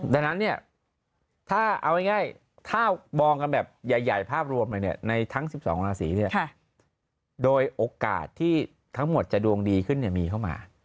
ดังนั้นเนี่ยถ้าเอาง่ายถ้ามองกันแบบใหญ่ภาพรวมเลยในทั้ง๑๒ราศีโดยโอกาสที่ทั้งหมดจะดวงดีขึ้นมีเข้ามา